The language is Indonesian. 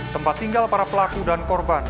tempat tinggal para pelaku dan korban